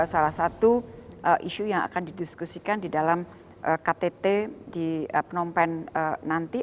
salah satu isu yang akan didiskusikan di dalam ktt di phnom penh nanti